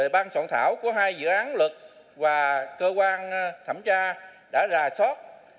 ban soạn thảo của hai dự án luật và cơ quan thẩm tra đã giả soát